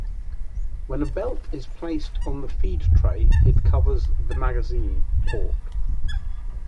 When a belt is placed in the feed tray it covers the magazine port.